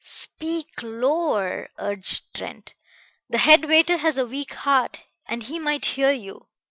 "Speak lower!" urged Trent. "The head waiter has a weak heart, and he might hear you.